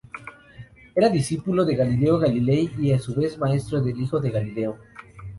Era discípulo de Galileo Galilei, y a su vez maestro del hijo de Galileo.